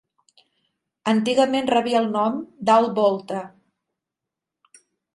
Antigament rebia el nom d'Alt Volta.